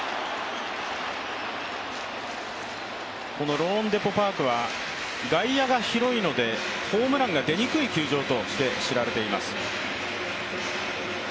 ローンデポ・パークは外野が広いのでホームランが出にくい球場として知られています。